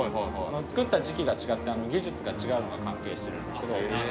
造った時期が違って技術が違うのが関係してるんですけど。